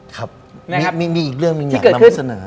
ครับมีอีกเรื่องหนึ่งอยากนำเสนอ